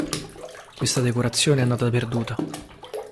Questa decorazione è andata perduta.